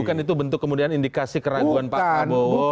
bukan itu bentuk kemudian indikasi keraguan pak prabowo